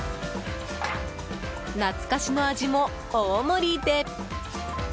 懐かしの味も大盛りで！